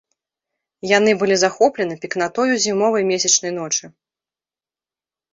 Яны былі захоплены пекнатою зімовай месячнай ночы.